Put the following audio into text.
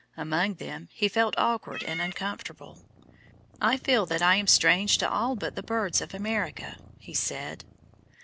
Among them he felt awkward and uncomfortable. "I feel that I am strange to all but the birds of America," he said.